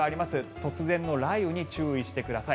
突然の雷雨に注意してください。